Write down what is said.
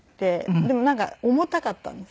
でもなんか重たかったんです。